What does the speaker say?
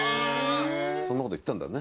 そんな事言ったんだね。